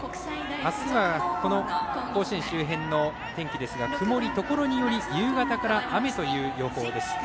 あすは甲子園周辺の天気ですが曇りところにより夕方から雨という予報です。